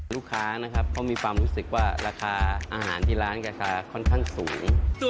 ลูกค้านะครับเขามีความรู้สึกว่าราคาอาหารที่ร้านก็จะค่อนข้างสูง